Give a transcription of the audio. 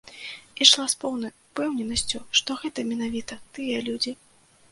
Ішла з поўнай упэўненасцю, што гэта менавіта тыя людзі.